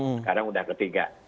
sekarang udah ketiga